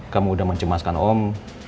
kamu udah mencemaskan om